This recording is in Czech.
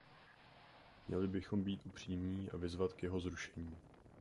Měli bychom být upřímní a vyzvat k jeho zrušení.